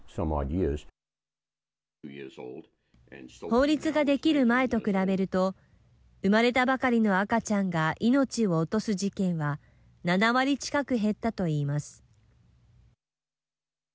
法律ができる前と比べると生まれたばかりの赤ちゃんが命を落とす事件は７割近く減ったといいます。